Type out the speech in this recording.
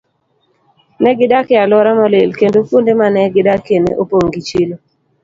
Ne gidak e alwora molil, kendo kuonde ma ne gidakie ne opong' gi chilo.